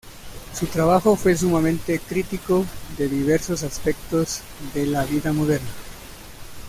Su trabajo fue sumamente crítico de diversos aspectos de la vida moderna.